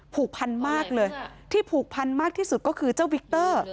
ผูกพันมากเลยที่ผูกพันมากที่สุดก็คือเจ้าวิกเตอร์